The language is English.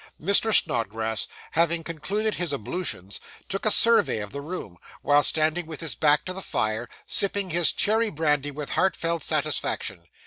Mr. Snodgrass, having concluded his ablutions, took a survey of the room, while standing with his back to the fire, sipping his cherry brandy with heartfelt satisfaction.